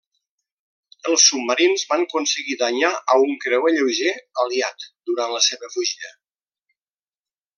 Els submarins van aconseguir danyar a un creuer lleuger aliat durant la seva fugida.